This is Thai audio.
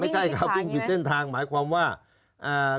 ไม่ใช่ครับวิ่งผิดเส้นทางหมายความว่าอ่า